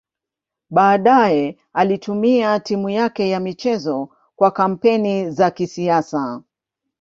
Baadaye alitumia timu yake ya michezo kwa kampeni za kisiasa.